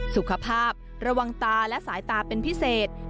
สุขภาพระวังตาและสายตาเป็นพิเศษ